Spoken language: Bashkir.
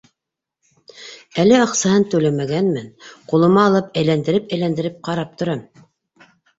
Әле аҡсаһын түләмәгәнмен, ҡулыма алып, әйләндереп-әйләндереп ҡарап торам.